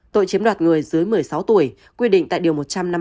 tội chiếm đoạt người dưới một mươi sáu tuổi quy định tại điều một trăm năm mươi bốn